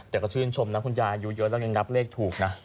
แต่ก็ชื่นชมนะคุณยายอายุเยอะแล้วยังนับเลขถูกนะ